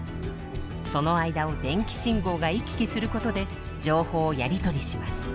その間を電気信号が行き来することで情報をやり取りします。